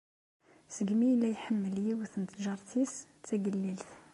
Segmi yella iḥemmel yiwet n tǧaṛet-is d tagellilt.